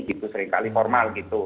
itu seringkali formal gitu